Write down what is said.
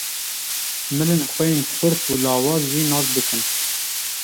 Milên xwe yên xurt û lawaz jî nas bikin.